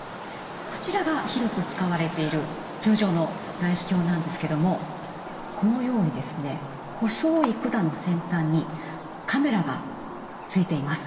こちらが広く使われている通常の内視鏡なんですけどもこのようにですね細い管の先端にカメラがついています。